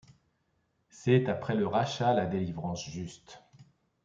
C’est, après le rachat, la délivrance juste ;